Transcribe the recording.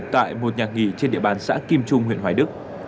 tại một nhà nghỉ trên địa bàn xã kim trung huyện hoài đức